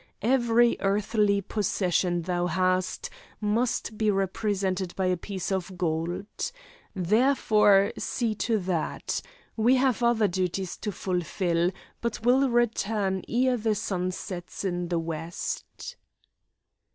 Every earthly possession thou hast must be represented by a piece of gold. Therefore see to that; we have other duties to fulfil, but will return ere the sun sets in the west."